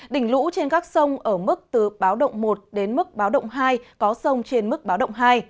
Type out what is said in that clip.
đỉnh lũ trên các sông ở mức từ báo động một đến mức báo động hai có sông trên mức báo động hai